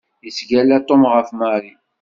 Yettgalla Tom ɣef Mary.